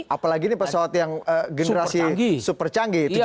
apalagi ini pesawat yang generasi super canggih tujuh ratus tiga puluh tujuh